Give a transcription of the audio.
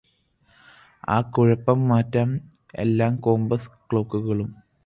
ആ കുഴപ്പം മാറ്റാന് എല്ലാ കോമ്പസ് ക്ലോക്കുകളും